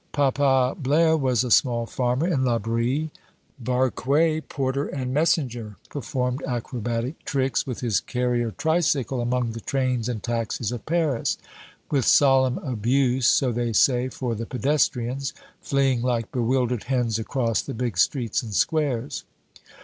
Papa Blaire was a small farmer in La Brie. Barque, porter and messenger, performed acrobatic tricks with his carrier tricycle among the trains and taxis of Paris, with solemn abuse (so they say) for the pedestrians, fleeing like bewildered hens across the big streets and squares.